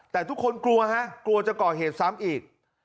แต่ทุกคนกลัวฮะกลัวจะก่อเหตุซ้ำอีก